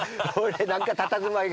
何かたたずまいが。